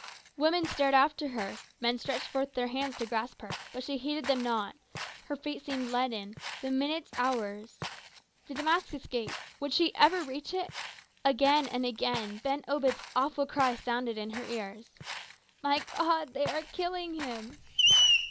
Women stared after her, men stretched forth their hands to grasp her, but she heeded them not; her feet seemed leaden, the minutes hours. The Damascus Gate would she ever reach it? Again and again Ben Obed's awful cry sounded in her ears: "My God! they are killing him!"